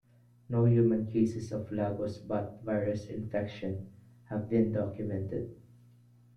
No human cases of Lagos bat virus infection have been documented.